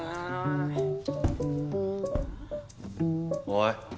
おい。